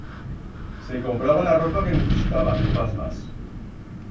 Se compraba la ropa que necesitaba, no pas mas.